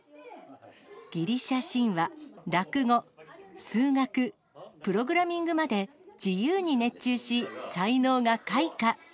ギリシャ神話、落語、数学、プログラミングまで、自由に熱中し、才能が開花。